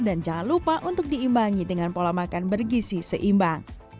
dan jangan lupa untuk diimbangi dengan pola makan bergisi seimbang